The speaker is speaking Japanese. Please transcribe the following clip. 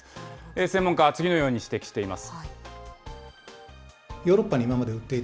専門家は次のように指摘しています。